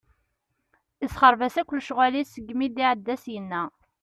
Isexreb-as akk lecɣal-is seg mi d-iɛedda syenna.